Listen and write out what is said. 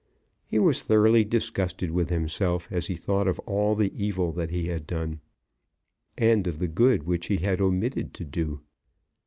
He was thoroughly disgusted with himself as he thought of all the evil that he had done, and of the good which he had omitted to do.